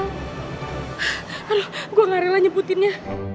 halo gue gak rela nyebutinnya